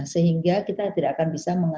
sehingga kita tidak akan bisa